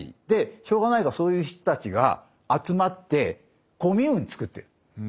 でしょうがないからそういう人たちが集まってコミューンをつくってる。